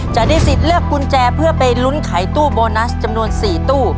จะได้สิทธิ์เลือกกุญแจเพื่อไปลุ้นไขตู้โบนัสจำนวน๔ตู้